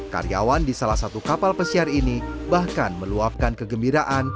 karyawan di salah satu kapal pesiar ini bahkan meluapkan kegembiraan